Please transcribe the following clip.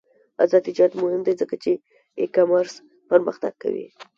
آزاد تجارت مهم دی ځکه چې ای کامرس پرمختګ کوي.